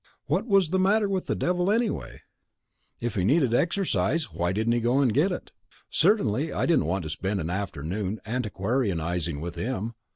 What was the matter with the devil, anyway? If he needed exercise why didn't he go and get it? Certainly I didn't want to spend an afternoon antiquarianizing with him.